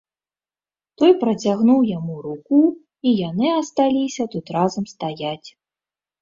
Той працягнуў яму руку, і яны асталіся тут разам стаяць.